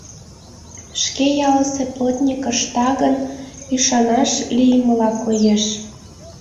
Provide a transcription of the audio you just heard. Шке ялысе плотник ышта гын, ӱшанаш лиймыла коеш.